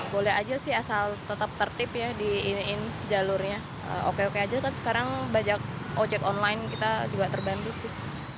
boleh aja sih asal tetap tertip ya di iniin jalurnya oke oke aja kan sekarang banyak ojek online kita juga terbantu sih